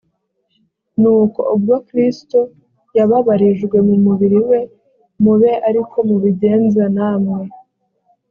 nuko ubwo kristo yababarijwe mu mubiri we mube ariko mubigenza namwe